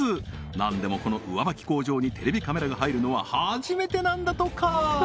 なんでもこの上ばき工場にテレビカメラが入るのは初めてなんだとか！